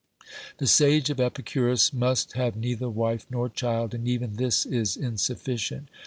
The sage of Epicurus must have neither wife nor child, and even this is insufficient.